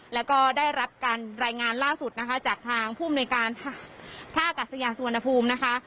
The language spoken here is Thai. แล้วก็ได้รับการรายงานล่าสุดนะคะจากทางผู้อำนวยการท่ากัศยาสุวรรณภูมินะคะ